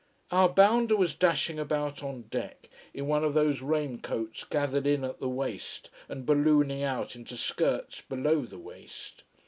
Our bounder was dashing about on deck, in one of those rain coats gathered in at the waist and ballooning out into skirts below the waist.